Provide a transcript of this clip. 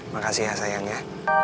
makasih ya sayangnya